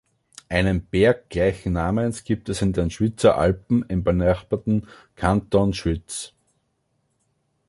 Einen Berg gleichen Namens gibt es in den Schwyzer Alpen im benachbarten Kanton Schwyz.